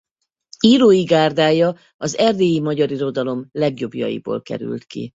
Írói gárdája az erdélyi magyar irodalom legjobbjaiból került ki.